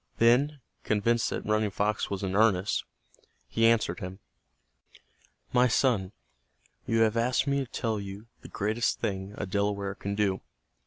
Then, convinced that Running Fox was in earnest, he answered him. "My son, you have asked me to tell you the greatest thing a Delaware can do.